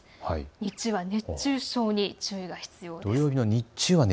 日中は熱中症に注意が必要です。